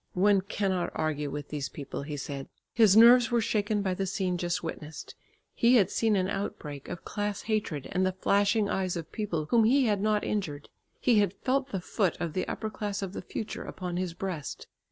"One cannot argue with these people," he said. His nerves were shaken by the scene just witnessed. He had seen an outbreak of class hatred and the flashing eyes of people whom he had not injured; he had felt the foot of the upper class of the future upon his breast.